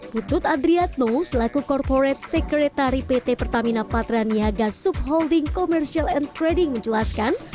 putut adriatno selaku korporat sekretari pt pertamina patra niaga subholding commercial and trading menjelaskan